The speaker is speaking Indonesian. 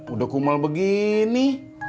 udah kumel begini